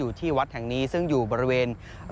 อยู่ที่วัดแห่งนี้ซึ่งอยู่บริเวณ